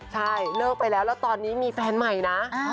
ใช่เลิกไปแล้วแล้วตอนนี้มีแฟนใหม่นะ